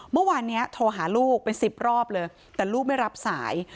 เมื่อวานนี้โทรหาลูกเป็น๑๐รอบเลยแต่ลูกไม่รับสาย